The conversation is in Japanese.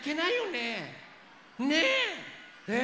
ねえ。